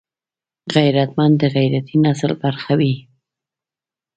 غیرتمند د غیرتي نسل برخه وي